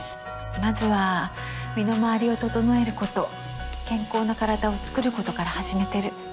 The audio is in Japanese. まずは身の回りを整えること健康な体を作ることから始めてる。